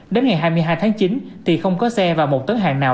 đến ngày hai mươi hai tháng chín thì không có xe và một tấn hàng nào